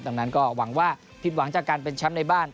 ดังนั้นก็หวังว่าผิดหวังจากการเป็นแชมป์ในบ้าน